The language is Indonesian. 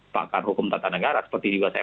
pakar hukum tata negara seperti juga saya